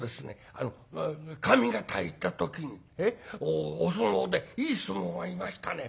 あの上方へ行った時にお相撲でいい相撲がいましたね。